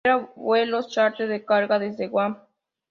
Opera vuelos chárter de carga desde Guam.